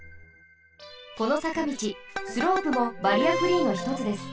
このさかみちスロープもバリアフリーのひとつです。